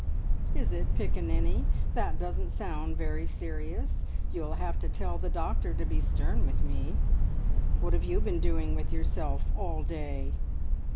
"Is it, piccaninny? That doesn't sound very serious. You'll have to tell the doctor to be stern with me. What have you been doing with yourself all day?"